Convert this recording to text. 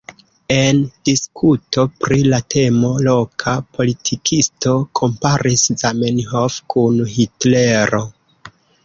En diskuto pri la temo loka politikisto komparis Zamenhof kun Hitlero.